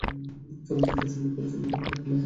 এই চলচ্চিত্রে সংগীত পরিচালনা করেন বাপ্পী লাহিড়ী।